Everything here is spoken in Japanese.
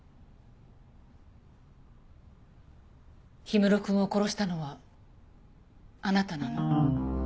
氷室くんを殺したのはあなたなの？